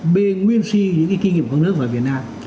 bên nguyên suy những kinh nghiệm của các nước vào việt nam